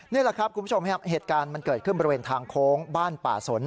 นี่แหละครับคุณผู้ชมครับเหตุการณ์มันเกิดขึ้นบริเวณทางโค้งบ้านป่าสน